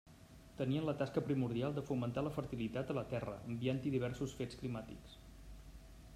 Tenien la tasca primordial de fomentar la fertilitat a la Terra, enviant-hi diversos fets climàtics.